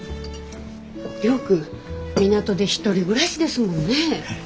亮君港で１人暮らしですもんね？